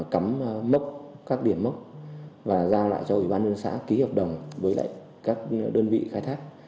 cám mốc các điểm mốc và giao lại cho ubnd xã ký hợp đồng với các đơn vị khai thác